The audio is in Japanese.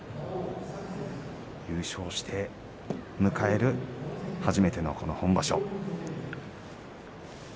優勝して迎える初めての本場所。